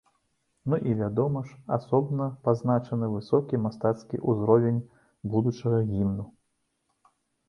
Ну і, вядома ж, асобна пазначаны высокі мастацкі ўзровень будучага гімну.